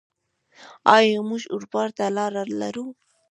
آیا موږ اروپا ته لاره لرو؟